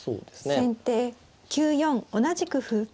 先手９四同じく歩。